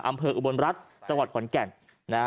อำเภออุบลรัฐจังหวัดขอนแก่น